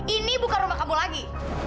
ini bukan rumah kamu lagi